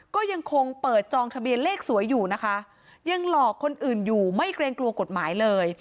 ก็ยังคงเปิดจองทะเบียนเลขสวยอยู่นะคะยังหลอกคนอื่นอยู่ไม่เกรงกลัวกฎหมายเลย